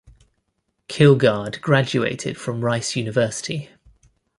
Kilgard graduated from Rice University.